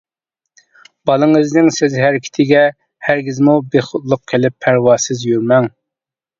بالىڭىزنىڭ سۆز-ھەرىكىتىگە ھەرگىزمۇ بىخۇدلۇق قىلىپ پەرۋاسىز يۈرمەڭ.